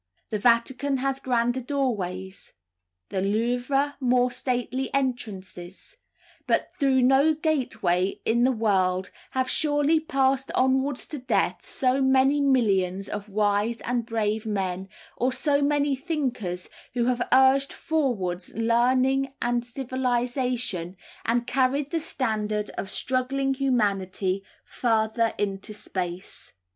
The Vatican has grander doorways, the Louvre more stately entrances, but through no gateway in the world have surely passed onwards to death so many millions of wise and brave men, or so many thinkers who have urged forward learning and civilisation, and carried the standard of struggling humanity farther into space.